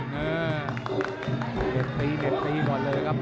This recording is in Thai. เด็ดตีเด็ดตีก่อนเลยครับ